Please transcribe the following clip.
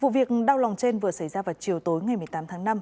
vụ việc đau lòng trên vừa xảy ra vào chiều tối ngày một mươi tám tháng năm